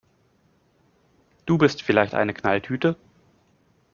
Du bist vielleicht eine Knalltüte!